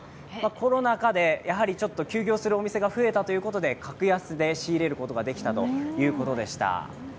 コロナ禍でやはり休業するお店が増えたということで格安で仕入れることができたということでした。